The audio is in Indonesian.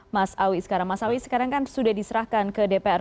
mas awi sekarang sudah diserahkan ke dpr